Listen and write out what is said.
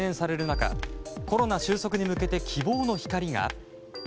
中コロナ収束に向けて希望の光が。